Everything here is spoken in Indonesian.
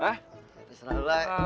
ya terserah lo